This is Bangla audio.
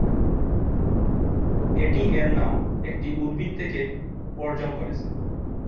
এটি এর নাম একটি উদ্ভিদ থেকে অর্জন করেছে।